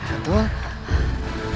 alhamdulillah gusti ratu